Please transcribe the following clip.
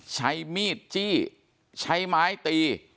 ใช้มีดจี้ใช้ไม้ตี